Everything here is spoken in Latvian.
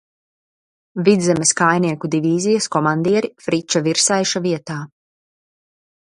Vidzemes kājnieku divīzijas komandieri Friča Virsaiša vietā.